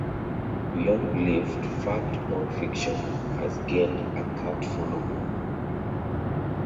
"Beyond Belief: Fact or Fiction" has gained a cult following.